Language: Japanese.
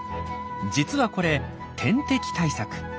実はこれ天敵対策。